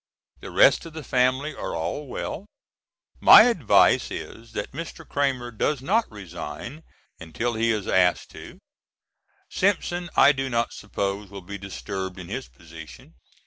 The rest of the family are all well. My advice is that Mr. Cramer does not resign until he is asked to. Simpson I do not suppose will be disturbed in his position.